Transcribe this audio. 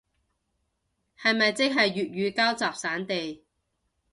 係咪即係粵語膠集散地